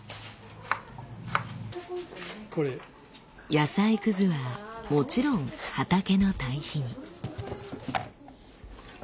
野菜くずはもちろん畑の堆肥に。